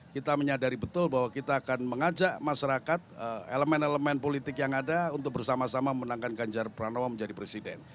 kita menyadari betul bahwa kita akan mengajak masyarakat elemen elemen politik yang ada untuk bersama sama menangkan ganjar pranowo menjadi presiden